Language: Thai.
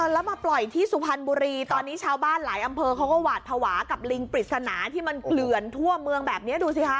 แล้วมาปล่อยที่สุพรรณบุรีตอนนี้ชาวบ้านหลายอำเภอเขาก็หวาดภาวะกับลิงปริศนาที่มันเกลื่อนทั่วเมืองแบบนี้ดูสิคะ